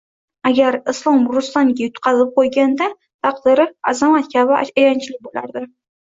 Agar Islom Rustamga yutqazib qo‘yganda, taqdiri Azamat kabi ayanchli bo‘lardi.